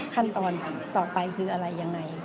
ขั้นตอนต่อไปคืออะไรยังไง